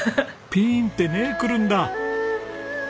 ピーンってね来るんだ。